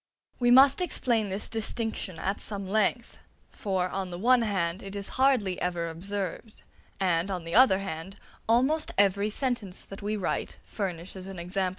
We must explain this distinction at some length; for, on the one hand, it is hardly ever observed, and, on the other hand, almost every sentence that we write furnishes an example of it.